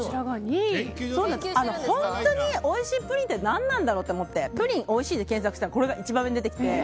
本当においしいプリンって何なんだろうと思ってプリン、おいしいで検索したらこれが一番上に出てきて。